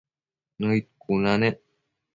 Nëid cuna nec